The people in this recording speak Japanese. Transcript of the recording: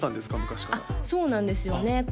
昔からそうなんですよね